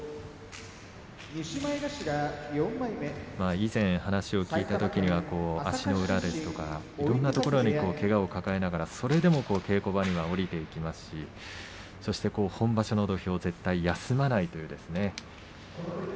以前、話を聞いたところ足の裏ですとかいろんなところにけがを抱えながら、それでも稽古場に下りていきますしそして本場所の土俵を絶対に休まない。